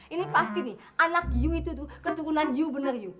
ini pasti nih anak ibu itu keturunan ibu benar ibu